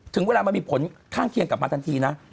ถึงเวลามันมีผลข้างเคียงกลับมาทันทีนะ